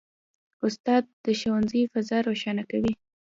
استاد د ښوونځي فضا روښانه کوي.